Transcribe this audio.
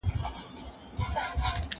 زه له سهاره د کتابتوننۍ سره مرسته کوم.